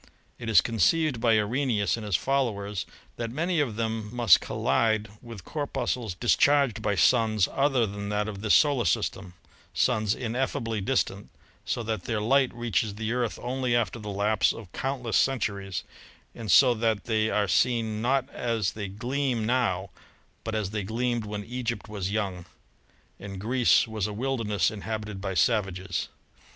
It is conceived by Arrhenius and his followers that many of them must col lide with corpuscles discharged by suns other than that of this solar system — suns ineffably distant, so that their light reaches the Earth only after the lapse of countless centuries, and so that they are seen not as they gleam now, but as they gleamed when Egypt was young and Greece was a wilderness inhabited by savages.